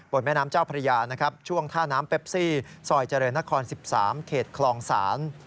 แม่น้ำเจ้าพระยานะครับช่วงท่าน้ำเปปซี่ซอยเจริญนคร๑๓เขตคลองศาล